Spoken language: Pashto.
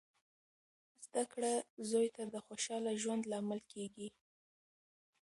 زده کړه زوی ته د خوشخاله ژوند لامل کیږي.